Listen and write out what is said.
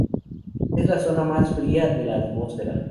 Es la zona más fría de la atmósfera.